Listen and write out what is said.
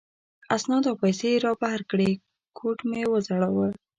اسناد او پیسې را وبهر کړې، کوټ مې و ځړاوه.